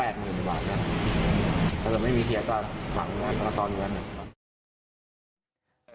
ถ้าจะไม่มีเทียดก็สั่งการสอนเงิน